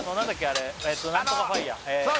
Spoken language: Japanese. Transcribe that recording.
あれ何とかファイアそう